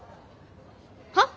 はっ？